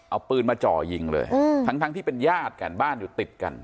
เอาปืนมาจ่อยิงเลยทั้งที่เป็นญาติกันบ้านอยู่ติดกัน